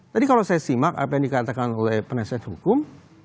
tadi kalau saya simak apa yang dikatakan oleh penasihat hukum